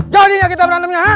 jadinya kita berantemnya